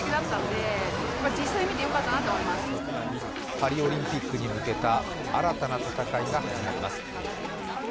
パリオリンピックに向けた新たな戦いが始まります。